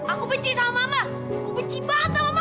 aku benci sama mama aku benci banget sama mama